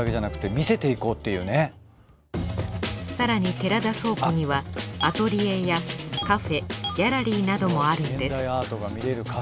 更に寺田倉庫にはアトリエやカフェギャラリーなどもあるんです。